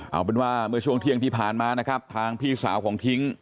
เอาเป็นว่าเมื่อช่วงเที่ยงที่ผ่านมานะครับทางพี่สาวของทิ้ง